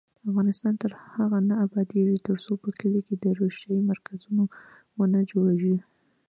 افغانستان تر هغو نه ابادیږي، ترڅو په کلیو کې د روغتیا مرکزونه ونه جوړیږي.